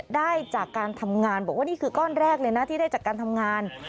ได้จากการทำงานบอกว่านี่คือก้อนแรกเลยนะที่ได้จากการทำงาน